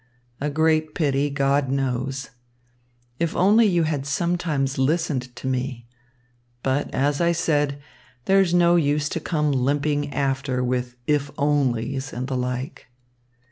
A great pity, God knows. If only you had sometimes listened to me but, as I said, there's no use to come limping after with "if only's" and the like.